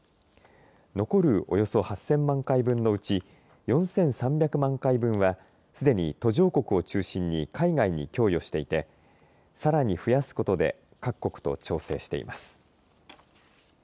残るおよそ８０００万回分のうち４３００万回分はすでに途上国を中心に海外に供与していてさらに増やすことで各国と調整しています。